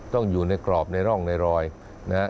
ต้องอยู่ในกรอบในร่องในรอยนะฮะ